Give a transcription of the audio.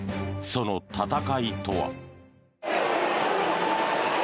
その戦いとは。